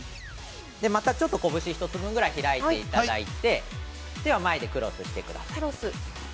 また、ちょっと拳１つ分ぐらい開いていただいて手は前でクロスしてください。